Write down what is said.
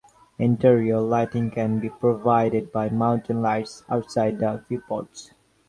Interior lighting can be provided by mounting lights outside the viewports.